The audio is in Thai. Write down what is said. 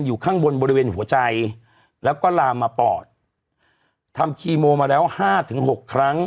อยู่ข้างบนบริเวณหัวใจแล้วก็ลามมาปอดทำคีโมมาแล้วห้าถึงหกครั้ง